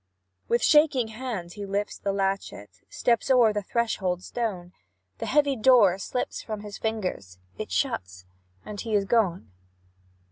With shaking hand, he lifts the latchet, Steps o'er the threshold stone; The heavy door slips from his fingers It shuts, and he is gone.